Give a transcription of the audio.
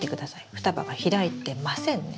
双葉が開いてませんね。